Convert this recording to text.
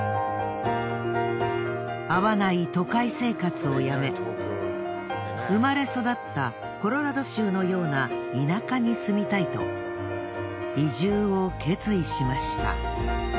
合わない都会生活をやめ生まれ育ったコロラド州のような田舎に住みたいと移住を決意しました。